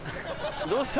どうした？